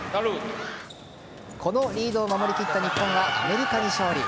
このリードを守りきった日本がアメリカに勝利。